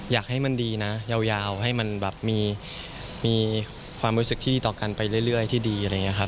อยากให้มันดีนะยาวให้มันมีความรู้สึกที่ดีต่อกันไปเรื่อยที่ดี